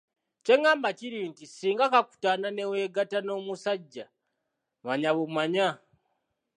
Kye ngamba kiri nti, singa kakutanda ne weegatta n'omusajja manya bumanya